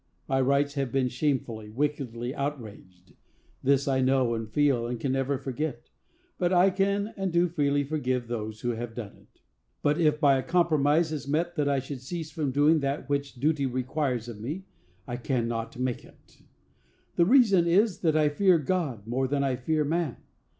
My rights have been shamefully, wickedly outraged; this I know, and feel, and can never forget. But I can and do freely forgive those who have done it. "But if by a compromise is meant that I should cease from doing that which duty requires of me, I cannot make it. And the reason is, that I fear God more than I fear man.